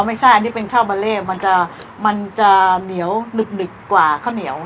ไม่ใช่อันนี้เป็นข้าวบาเล่มันจะมันจะเหนียวหนึบกว่าข้าวเหนียว